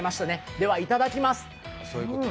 ではいただきます。